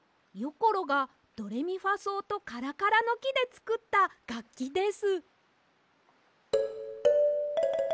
ころがドレミファそうとカラカラのきでつくったがっきです。